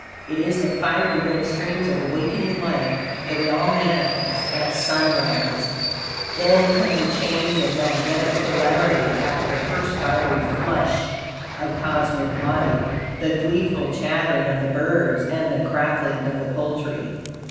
It is the fiery red streams of awakening life that we all manifest at sunrise; then comes a change of magnetic polarity after the first fiery flush of cosmic life; the gleeful chattering of the birds and the cackling of the poultry.